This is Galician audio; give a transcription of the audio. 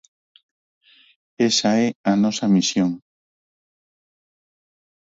Esa é a nosa misión.